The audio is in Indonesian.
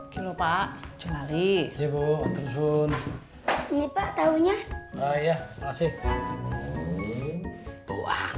kilopak celali jepun ini pak tahunya ayah masih